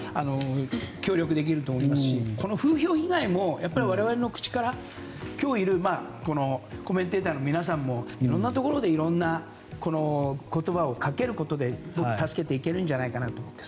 協力できると思いますし風評被害も我々の口から、今日いるコメンテーターの皆さんもいろいろなところでこの言葉をかけることで助けていけるんじゃないかなと。